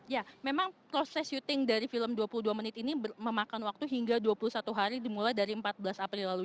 ya memang proses syuting dari film dua puluh dua menit ini memakan waktu hingga dua puluh satu hari dimulai dari empat belas april lalu